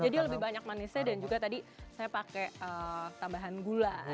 jadi lebih banyak manisnya dan juga tadi saya pakai tambahan gula